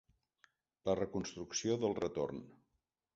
La reconstrucció del retorn.